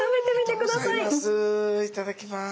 いただきます。